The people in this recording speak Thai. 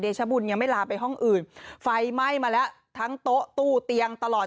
ชบุญยังไม่ลาไปห้องอื่นไฟไหม้มาแล้วทั้งโต๊ะตู้เตียงตลอด